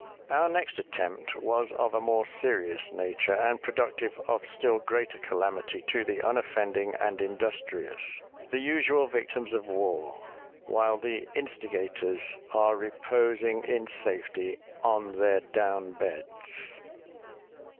Our next attempt was of a more serious nature, and productive of still greater calamity to the unoffending and industrious, the usual victims of war, while the instigators are reposing in safety on their down beds.